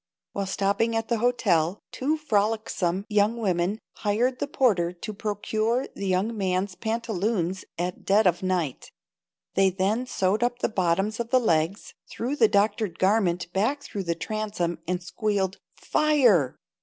While stopping at the hotel, two frolicsome young women hired the porter to procure the young man's pantaloons at dead of night They then sewed up the bottoms of the legs, threw the doctored garment back through the transom and squealed "Fire!"